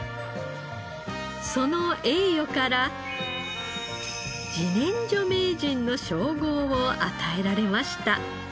その栄誉から「自然薯名人」の称号を与えられました。